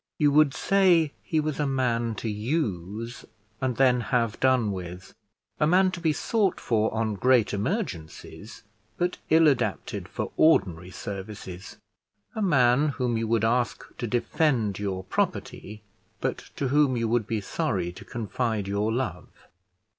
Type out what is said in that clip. You would say he was a man to use, and then have done with; a man to be sought for on great emergencies, but ill adapted for ordinary services; a man whom you would ask to defend your property, but to whom you would be sorry to confide your love.